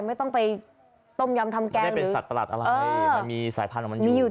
ไม่ต้องไปต้มยำทำแกงไม่เป็นสัตว์ประหลัดอะไรมันมีสายพันธุ์